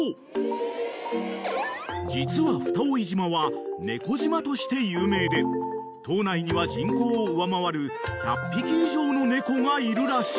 ［実は蓋井島は猫島として有名で島内には人口を上回る１００匹以上の猫がいるらしい］